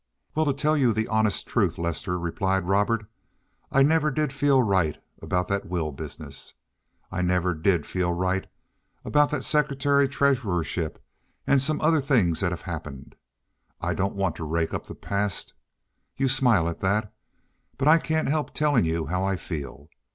"Well, to tell you the honest truth, Lester," replied Robert, "I never did feel right about that will business. I never did feel right about that secretary treasurership and some other things that have happened. I don't want to rake up the past—you smile at that—but I can't help telling you how I feel.